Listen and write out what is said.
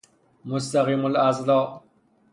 مستقیم الاضلاع